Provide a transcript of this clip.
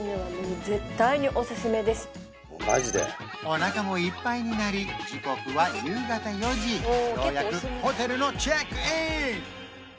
おなかもいっぱいになり時刻は夕方４時ようやくホテルのチェックイン